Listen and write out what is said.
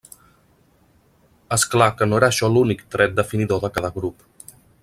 És clar que no era això l'únic tret definidor de cada grup.